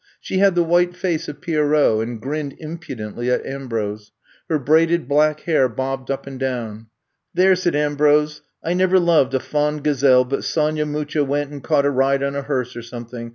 She had the white face of Pierrot and grinned impudently at Ambrose. Her braided black hair bobbed up and down. There,'' said Ambrose, I never loved a fond gazelle but Sonya Mucha went and caught a ride on a hearse or something.